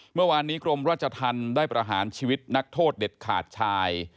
เมื่อวานนี้กรมราชธรรมได้ประหารชีวิตนักโทษเด็ดขาดชาย